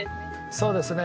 そうですね。